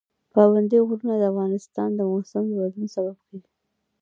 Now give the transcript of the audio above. پابندی غرونه د افغانستان د موسم د بدلون سبب کېږي.